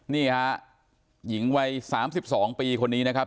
นี่ฮะหญิงวัยสามสิบสองปีคนนี้นะครับ